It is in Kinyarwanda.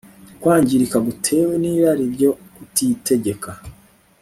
ukwangirika gutewe n'irari ryo kutitegeka